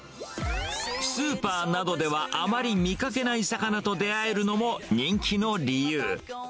スーパーなどではあまり見かけない魚と出会えるのも、人気の理由。